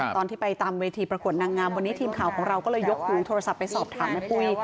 ตอนที่ไปตามเวทีประกวดนางงามวันนี้ทีมข่าวของเราก็เลยยกหูโทรศัพท์ไปสอบถามแม่ปุ้ย